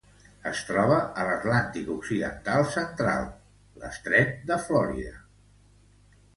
Es troba a l'Atlàntic occidental central: l'estret de Florida.